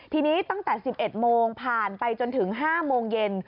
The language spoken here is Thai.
ทีนี้ตั้งแต่๑๑โมงผ่านไปจนถึง๕โมงเย็น